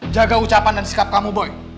jaga ucapan dan sikap kamu boy